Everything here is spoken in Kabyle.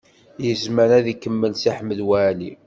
Yezmer ad ikemmel Si Ḥmed Waɛli?